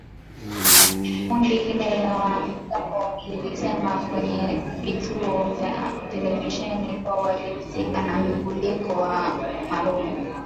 Kundi hilo la wanamgambo lilisema kwenye vituo vya televisheni kuwa walihusika na mlipuko wa mabomu